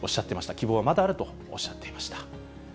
希望はまだあるとおっしゃっていました。